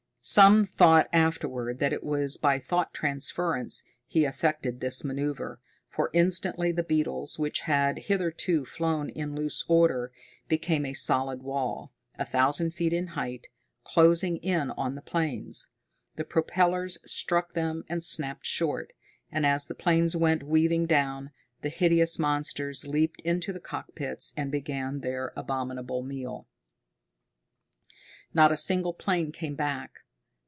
Some thought afterward that it was by thought transference he effected this maneuver, for instantly the beetles, which had hitherto flown in loose order, became a solid wall, a thousand feet in height, closing in on the planes. The propellers struck them and snapped short, and as the planes went weaving down, the hideous monsters leaped into the cockpits and began their abominable meal. Not a single plane came back.